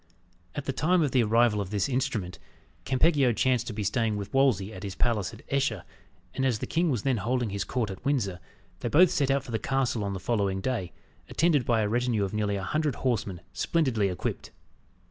At the time of the arrival of this instrument, Campeggio chanced to be staying with Wolsey at his palace at Esher, and as the king was then holding his court at Windsor, they both set out for the castle on the following day, attended by a retinue of nearly a hundred horsemen, splendidly equipped.